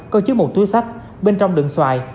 có hai mươi túi sắt bên trong đựng xoài